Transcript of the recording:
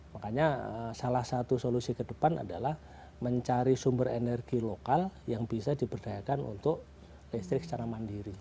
makanya salah satu solusi ke depan adalah mencari sumber energi lokal yang bisa diberdayakan untuk listrik secara mandiri